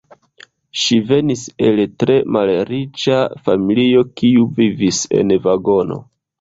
Ŝi venis el tre malriĉa familio kiu vivis en vagono.